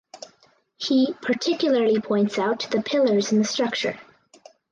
He particularly points out the pillars in the structure.